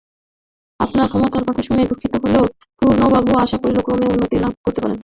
আপনার অক্ষমতার কথা শুনে দুঃখিত হলেম পুর্ণবাবু– আশা করি ক্রমে উন্নতিলাভ করতে পারবেন।